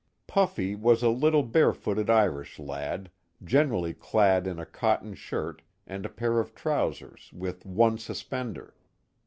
Puffy " was a little barefooted Irish lad, generally clad in a cotton shirt, and a pair of trousers with one suspender.